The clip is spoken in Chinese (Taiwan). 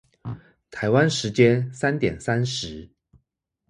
台灣時間三點三十